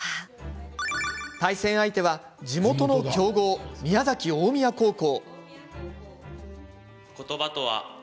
対戦相手は地元の強豪宮崎大宮高校。